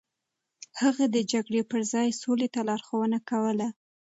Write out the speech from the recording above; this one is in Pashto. هغه د جګړې پر ځای سولې ته لارښوونه کوله.